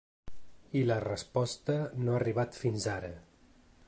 I la resposta no ha arribat fins ara.